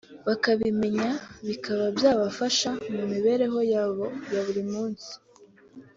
bakabimenya bikaba byabafasha mu mibereho yabo ya buri munsi”